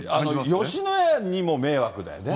吉野家にも迷惑だよね。